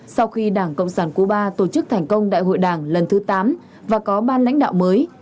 sau khi đảng cộng sản cuba tổ chức thành công đại hội đảng lần thứ tám và có ban lãnh đạo mới